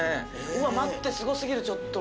うわ待ってすごすぎるちょっと。